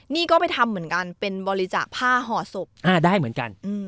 นี่ก็ไปทำเหมือนกันเป็นบริจาคผ้าห่อศพอ่าได้เหมือนกัน